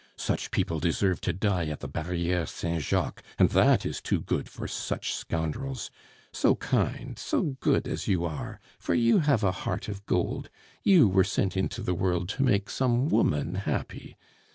Such people deserve to die at the Barriere Saint Jacques, and that is too good for such scoundrels. ... So kind, so good as you are (for you have a heart of gold), you were sent into the world to make some woman happy!...